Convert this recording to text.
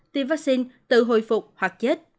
tiêm vaccine tự hồi phục hoặc chết